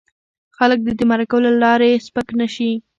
خلک دې د مرکو له لارې سپک نه شي.